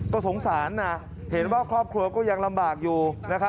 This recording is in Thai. ก็สงสารนะเห็นว่าครอบครัวก็ยังลำบากอยู่